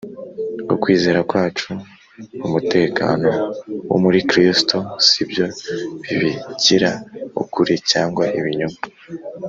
Ukwizera kwacu mu mutekano wo muri Kristo si byo bibigira ukuri cyangwa ibinyoma: